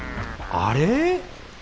あれ？